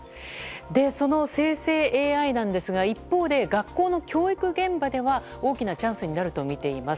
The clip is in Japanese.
その生成ＡＩなんですが一方で学校の教育現場では大きなチャンスになるとみています。